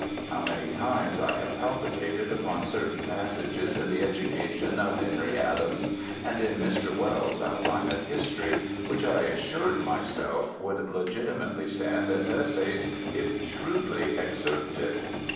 How many times I have palpitated upon certain passages in The Education of Henry Adams and in Mr. Wells's Outline of History, which, I assured myself, would legitimately stand as essays if shrewdly excerpted.